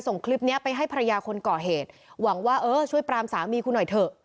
ส่งคลิปเนี้ยไปให้ภรรยาคนก่อเหตุหวังว่าเออช่วยปรามสามีกูหน่อยเถอะ